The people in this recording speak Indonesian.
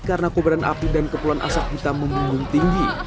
karena kebadan api dan keperluan asap hitam memunggung tinggi